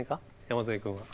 山添君は。